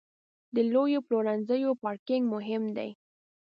د لویو پلورنځیو پارکینګ مهم دی.